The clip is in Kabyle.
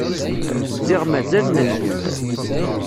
Ziɣ mazal nenger.